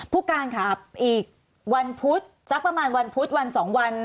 ผู้การค่ะอีกวันพุธสักประมาณวันพุธวันสองวัน